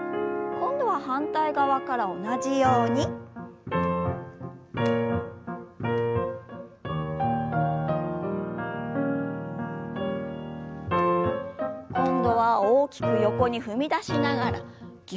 今度は大きく横に踏み出しながらぎゅっと。